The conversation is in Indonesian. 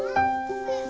jangan lupa jangan lupa